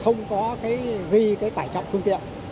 không có cái ghi cái tải trọng phương tiện